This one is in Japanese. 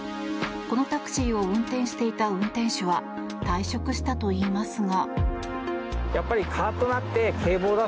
このタクシーを運転していた運転手は退職したといいますが。